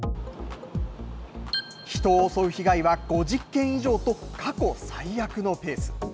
人を襲う被害は５０件以上と過去最悪のペース。